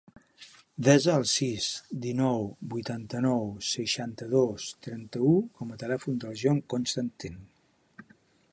Desa el sis, dinou, vuitanta-nou, seixanta-dos, trenta-u com a telèfon del Jon Constantin.